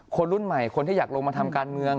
คนรุ่นใหม่คนที่อยากลงมาทำการเมือง